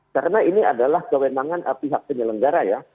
karena ini adalah kewenangan pihak penyelenggara ya